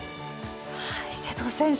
瀬戸選手